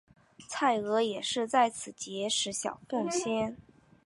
蔡锷也是在此结识小凤仙。